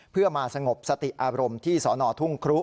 เพื่อมาสงบสติอารมณ์ที่สนทุ่งครุ